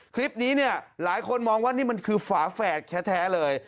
คลิปนี้เนี่ยหลายคนมองว่านี่มันคือฝาแฝดแท้เลย